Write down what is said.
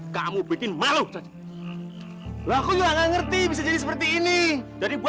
sampai jumpa di video selanjutnya